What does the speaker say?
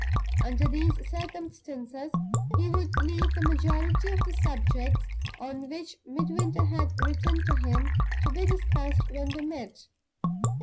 Under these circumstances, he would leave the majority of the subjects on which Midwinter had written to him to be discussed when they met.